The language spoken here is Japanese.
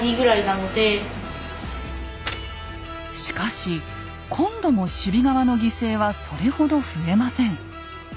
しかし今度も守備側の犠牲はそれほど増えません。